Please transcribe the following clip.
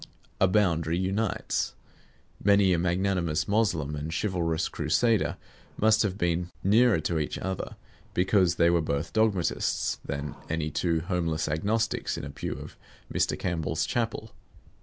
A boundary unites. Many a magnanimous Moslem and chivalrous Crusader must have been nearer to each other, because they were both dogmatists, than any two homeless agnostics in a pew of Mr. Campbell's chapel.